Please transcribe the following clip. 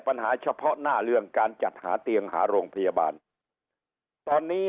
ปัญหาเฉพาะหน้าเรื่องการจัดหาเตียงหาโรงพยาบาลตอนนี้